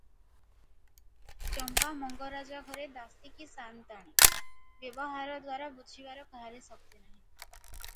ଚମ୍ପା ମଙ୍ଗରାଜ ଘରେ ଦାସୀ କି ସାଆନ୍ତାଣୀ, ବ୍ୟବହାରଦ୍ୱାରା ବୁଝିବାର କାହାରି ଶକ୍ତି ନାହିଁ ।